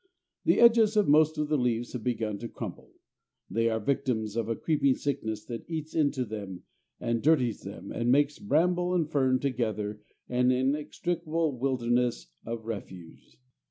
The edges of most of the leaves have began to crumple: they are victims of a creeping sickness that eats into them and dirties them, and makes bramble and fern together an inextricable wilderness of refuse.